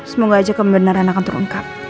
semoga aja kebenaran akan terungkap